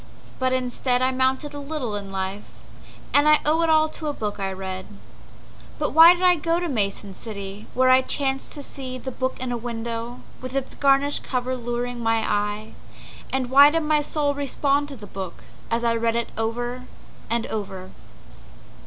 But instead I mounted a little in life, And I owe it all to a book I read. But why did I go to Mason City, Where I chanced to see the book in a window, With its garish cover luring my eye? And why did my soul respond to the book, As I read it over and over?